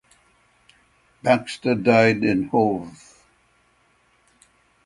Baxter died in Hove.